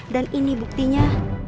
dan ini buktinya